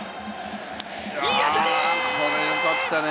これはよかったね。